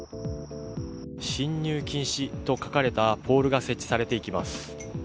進入禁止と書かれたポールが設置されていきます。